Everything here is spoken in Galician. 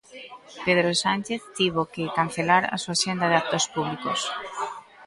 Pedro Sánchez tivo que cancelar a súa axenda de actos públicos.